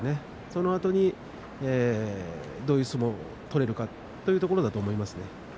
そのあとに、どういう相撲を取れるかというところだと思いますね。